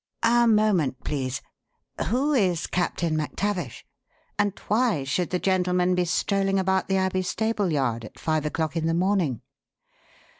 "A moment, please. Who is Captain MacTavish? And why should the gentleman be strolling about the Abbey stable yard at five o'clock in the morning?"